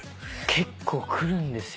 結構来るんですよ。